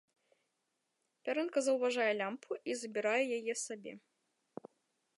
Пярынка заўважае лямпу і забірае яе сабе.